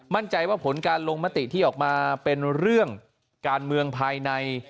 มั่นใจว่าผลการลงมติที่ออกมาเป็นเรื่องการเมืองภายใน